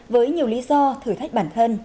với nhiều lý do thử thách bản thân